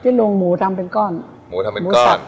ลงหมูทำเป็นก้อนหมูทำเป็นก้อน